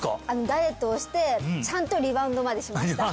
ダイエットをしてちゃんとリバウンドまでしました